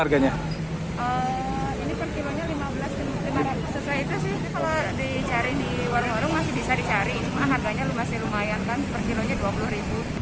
harganya masih lumayan kan per kilonya rp dua puluh